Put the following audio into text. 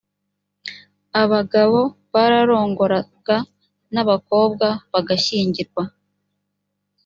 abagabo bararongoraga n abakobwa bagashyingirwa